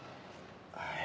はい。